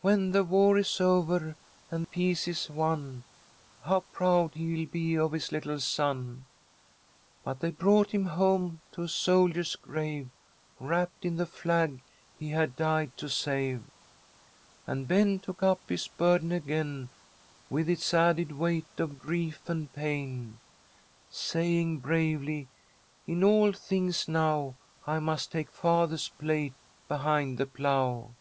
When the war is over, and peace is won, How proud he'll be of his little son!' But they brought him home to a soldier's grave, Wrapped in the flag he had died to save. And Ben took up his burden again, With its added weight of grief and pain, Saying bravely, 'In all things now I must take father's place behind the plough.'